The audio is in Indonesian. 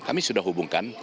kami sudah hubungkan